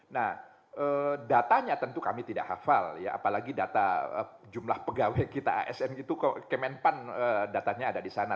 nah datanya tentu kami tidak hafal ya apalagi data jumlah pegawai kita asn itu kemenpan datanya ada di sana